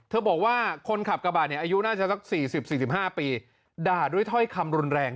บอกว่าคนขับกระบาดเนี่ยอายุน่าจะสัก๔๐๔๕ปีด่าด้วยถ้อยคำรุนแรง